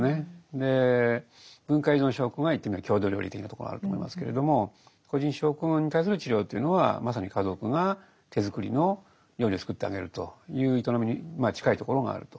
で文化依存症候群が言ってみれば郷土料理的なところがあると思いますけれども個人症候群に対する治療というのはまさに家族が手作りの料理を作ってあげるという営みに近いところがあると。